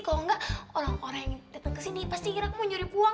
kalau enggak orang orang yang datang ke sini pasti kira aku mau nyuri pulang